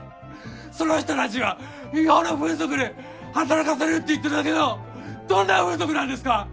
その人たちは日本の風俗で働かせるって言ってたけどどんな風俗なんですか？